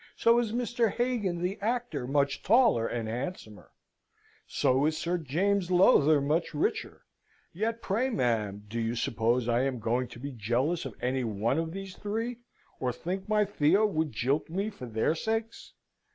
so is Mr. Hagan the actor much taller and handsomer: so is Sir James Lowther much richer: yet pray, ma'am, do you suppose I am going to be jealous of any one of these three, or think my Theo would jilt me for their sakes?